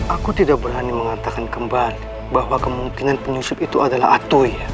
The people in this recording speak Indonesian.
aku tidak berani mengatakan kembali bahwa kemungkinan penyusup itu adalah atoy